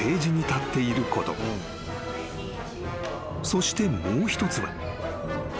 ［そしてもう一つは］